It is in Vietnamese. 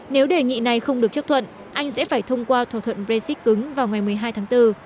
nếu đề nghị này không được chấp thuận anh sẽ phải thông qua thỏa thuận brexit cứng vào ngày một mươi hai tháng bốn